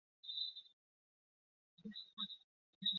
同在港口中的色雷斯人号驱逐舰与蛾号一起被日军俘获。